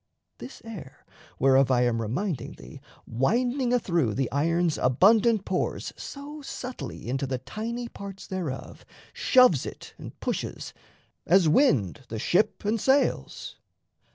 This air, whereof I am reminding thee, Winding athrough the iron's abundant pores So subtly into the tiny parts thereof, Shoves it and pushes, as wind the ship and sails.